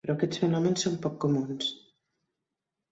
Però aquests fenòmens són poc comuns.